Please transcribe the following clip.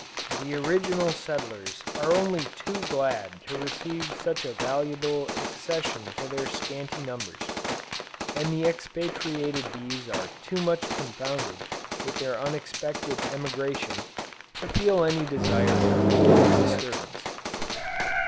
The original settlers are only too glad to receive such a valuable accession to their scanty numbers, and the expatriated bees are too much confounded with their unexpected emigration, to feel any desire for making a disturbance.